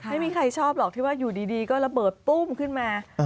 ไม่มีใครชอบหรอกที่ว่าอยู่ดีก็ระเบิดปุ้มขึ้นมา